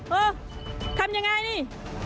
เออทำยังไงนี่